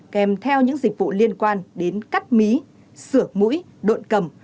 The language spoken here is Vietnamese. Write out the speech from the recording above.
kèm theo những dịch vụ liên quan đến cắt mí sửa mũi đọn cầm